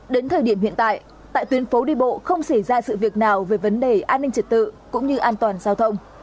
đến thời điểm hiện tại tại tuyến phố đi bộ không xảy ra sự việc nào về vấn đề an ninh trật tự cũng như an toàn giao thông